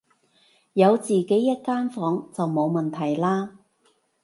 有自己一間房就冇問題啦